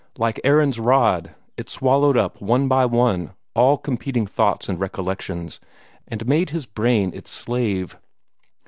Like Aaron's rod, it swallowed up one by one all competing thoughts and recollections, and made his brain its slave.